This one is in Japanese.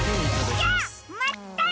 じゃあまったね！